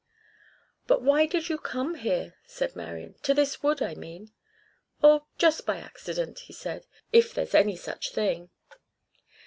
"But why did you come here," said Marian "to this wood I mean?" "Oh, just by accident," he said, "if there's any such thing."